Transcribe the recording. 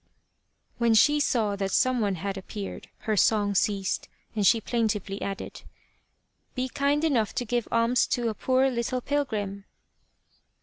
When she saw that some one had appeared, her song ceased, and she plaintively added :" Be kind ^enough to give alms to a poor little pilgrim."